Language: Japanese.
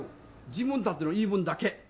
自分たちの言い分だけ。